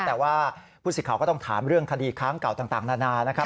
แต่ว่าผู้สิทธิ์ข่าวก็ต้องถามเรื่องคดีค้างเก่าต่างนานานะครับ